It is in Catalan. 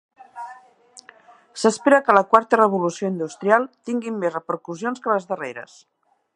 S'espera que la quarta revolució industrial tingui més repercussions que les darreres.